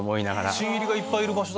「新入りがいっぱいいる場所だ」。